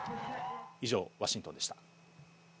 以上、ワシントンでした。